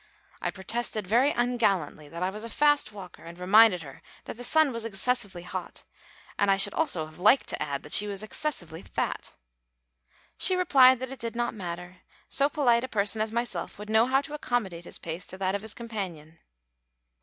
I protested very ungallantly that I was a fast walker, and reminded her that the sun was excessively hot, and I should also have liked to add that she was excessively fat. She replied that it did not matter; so polite a person as myself would know how to accommodate his pace to that of his companion.